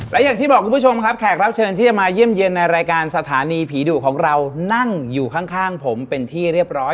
และอย่างที่บอกคุณผู้ชมครับแขกรับเชิญที่จะมาเยี่ยมเยี่ยมในรายการสถานีผีดุของเรานั่งอยู่ข้างผมเป็นที่เรียบร้อย